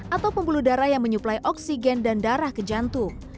atau pembuluh darah yang menyuplai oksigen dan darah ke jantung